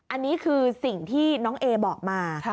อันนี้คือสิ่งที่น้องเอบอกมา